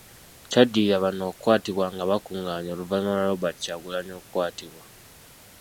Kyaddirira bano okukwatibwa nga bakunganye oluvannyuma lwa Robert Kyagulanyi okukwatibwa.